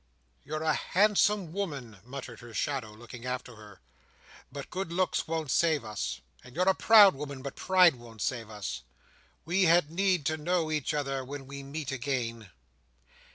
"You're a handsome woman," muttered her shadow, looking after her; "but good looks won't save us. And you're a proud woman; but pride won't save us. We had need to know each other when we meet again!"